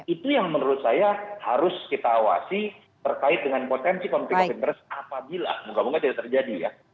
itu yang menurut saya harus kita awasi terkait dengan potensi konflik of interest apabila moga moga tidak terjadi ya